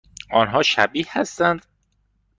آنها شبیه هستند؟